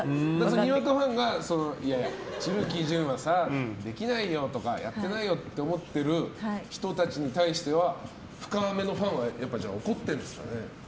にわかファンが紫吹淳はさ、できないよとかやってないよって思ってる人たちに対しては深めのファンはじゃあ、怒ってるんですかね。